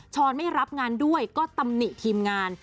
ไม่รับงานด้วยก็ตำหนิทีมงาน